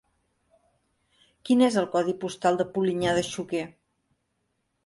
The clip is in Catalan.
Quin és el codi postal de Polinyà de Xúquer?